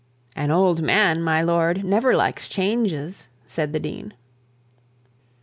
'An old man, my lord, never likes changes,' said the dean.